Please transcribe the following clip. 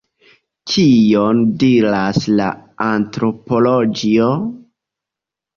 Kion diras la antropologio?